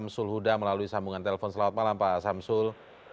sulhuda melalui sambungan telepon selamat malam pak samsul